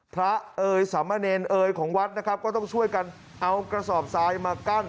เอ่ยสามเณรเอยของวัดนะครับก็ต้องช่วยกันเอากระสอบทรายมากั้น